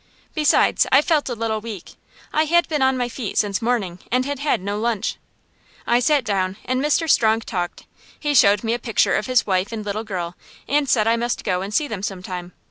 Besides, I felt a little weak. I had been on my feet since morning, and had had no lunch. I sat down, and Mr. Strong talked. He showed me a picture of his wife and little girl, and said I must go and see them some time.